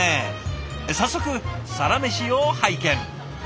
早速サラメシを拝見。